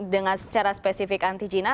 dengan secara spesifik anti jina